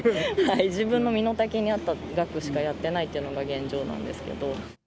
自分の身の丈に合った額しかやってないというのが現状なんですけど。